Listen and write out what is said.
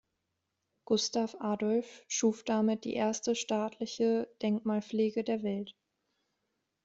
Gustav Adolf schuf damit die erste staatliche Denkmalpflege der Welt.